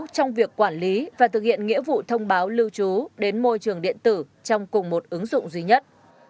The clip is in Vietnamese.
trong việc quản lý và thực hiện nghĩa vụ thông báo lưu trú đến môi trường điện tử trong cùng một ứng dụng duy nhất